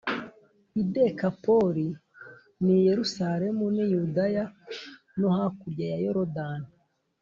i Dekapoli n’i Yerusalemu n’i Yudaya no hakurya ya Yorodani